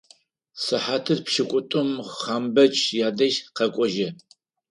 Сыхьатыр пшӏыкӏутӏум Хъанбэч ядэжь къэкӏожьы.